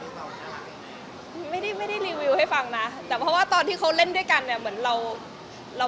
ก็เดี๋ยวนี้ไปไหนคนก็ถามถึงตาลูกไม่ค่อยถามถึงเรา